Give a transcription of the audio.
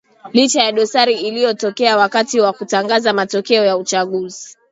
licha ya dosari iliyotokea wakati wa kutangaza matokeo ya uchaguzi